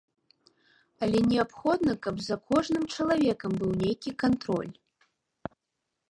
Але неабходна, каб за кожным чалавекам быў нейкі кантроль.